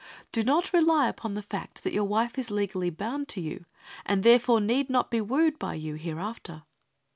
Do not rely upon the fact that your wife is legally bound to you, and therefore need not be wooed by you hereafter.